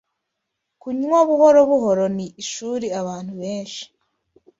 Kunywa buhoro buhoro ni ishuri abantu benshi